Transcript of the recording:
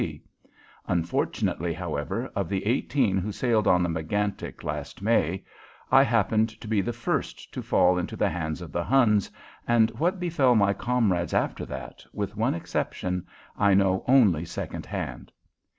F. C. Unfortunately, however, of the eighteen who sailed on the Megantic last May, I happened to be the first to fall into the hands of the Huns, and what befell my comrades after that, with one exception, I know only second hand.